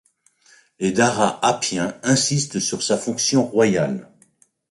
Les Dara Happiens insistent sur sa fonction royale.